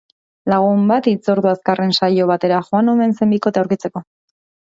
Lagun bat hitzordu azkarren saio batera joan omen zen bikotea aurkitzeko.